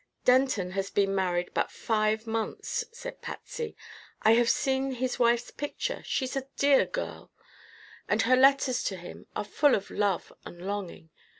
"Denton has been married but five months," said Patsy. "I have seen his wife's picture she's a dear little girl! and her letters to him are full of love and longing.